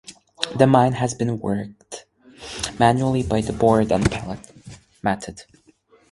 The mine has been worked manually by the board and pillar method.